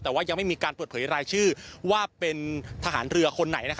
แต่ว่ายังไม่มีการเปิดเผยรายชื่อว่าเป็นทหารเรือคนไหน